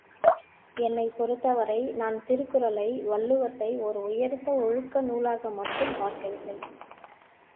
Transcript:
என்னைப் பொறுத்தவரை நான் திருக்குறளை வள்ளுவத்தை ஓர் உயர்ந்த ஒழுக்க நூலாகமட்டும் பார்க்க வில்லை.